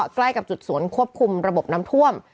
ใกล้กับจุดสวนควบคุมระบบน้ำท่วม